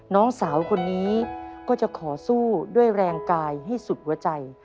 น้องสาวคนนี้ก็จะขอสู้ด้วยแรงกายให้สุดหัวใจ